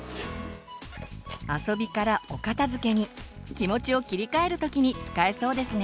遊びからお片づけに気持ちを切り替える時に使えそうですね。